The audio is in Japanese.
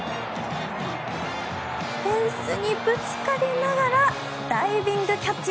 フェンスにぶつかりながらダイビングキャッチ。